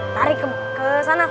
tarik ke sana